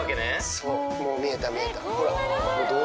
そう、見えた、見えた。